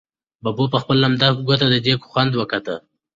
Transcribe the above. ببو په خپله لمده ګوته د دېګ خوند وکتل.